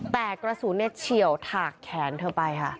แต่กระสูงเน็ตเชี่ยวถากแขนเธอไปค่ะ